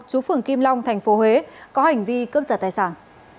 chú phường kim long tp huế có hành vi cướp giật tài sản